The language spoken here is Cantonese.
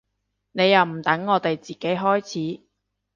你又唔等我哋自己開始